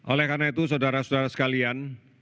oleh karena itu saudara saudara sekalian